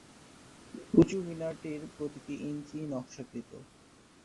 উঁচু মিনারটির প্রতিটি ইঞ্চি নকশাকৃত।